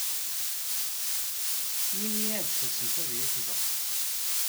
Melmi ad tasemt ad iyi-teẓṛemt?